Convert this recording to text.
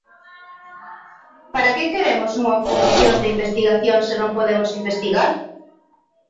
¿Para que queremos unha comisión de investigación se non podemos investigar?